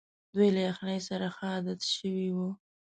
دوی له یخنۍ سره ښه عادت شوي وو.